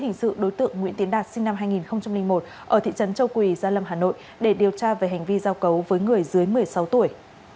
hình sự đối tượng nguyễn tiến đạt sinh năm hai nghìn một ở thị trấn châu quỳ gia lâm hà nội để điều tra về hành vi giao cấu với người dưới một mươi sáu tuổi